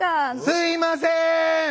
すいません！